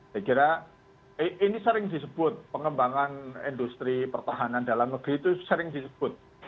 saya kira ini sering disebut pengembangan industri pertahanan dalam negeri itu sering disebut